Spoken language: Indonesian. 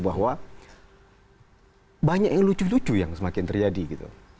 bahwa banyak yang lucu lucu yang semakin terjadi gitu